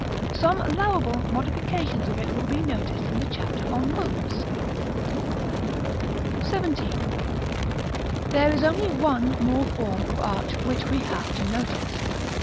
Some allowable modifications of it will be noticed in the chapter on Roofs. [Illustration: Fig. XXXIII.] § XVII. There is only one more form of arch which we have to notice.